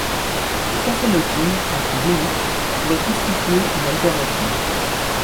Le tafénoquine, en prise unique, pourrait constituer une alternative.